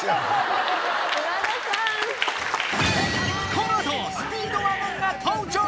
このあとスピードワゴンが登場！